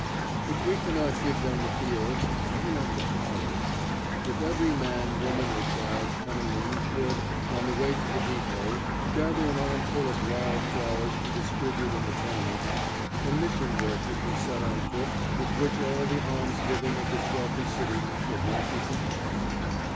"If we cannot give them the fields, why not the flowers? If every man, woman, or child coming in should, on the way to the depot, gather an armful of wild flowers to distribute in the tenements, a mission work would be set on foot with which all the alms giving of this wealthy city could not be compared.